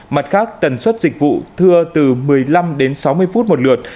mặt khác tần suất dịch vụ thưa từ một mươi năm đến sáu mươi phút một lượt